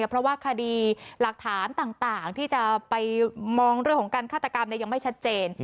เพราะว่าคดีหลักฐานต่างที่จะไปมองเรื่องของการฆาตกรรมยังไม่ชัดเจน